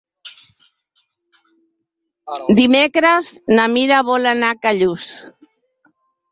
Dimecres na Mira vol anar a Callús.